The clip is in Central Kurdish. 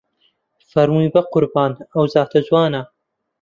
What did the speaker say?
فەرمووی بە قوربان ئەو زاتە جوانە